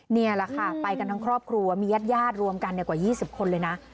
นี่แหละค่ะไปกันทั้งครอบครัวมีญาติรวมกันกว่า๒๐คนเลยนะ